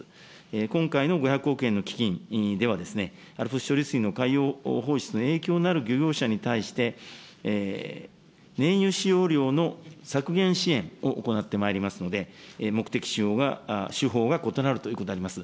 今回の５００億円の基金では、ＡＬＰＳ処理水の海洋放出の影響のある漁業者に対して、燃油使用量の削減支援を行ってまいりますので、目的手法が異なるということであります。